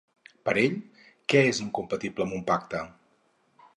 Per ell, què és incompatible amb un pacte?